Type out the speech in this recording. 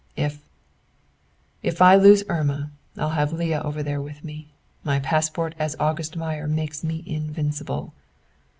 "If if I lose Irma, I'll have Leah over there with me. My passport as August Meyer makes me invincible."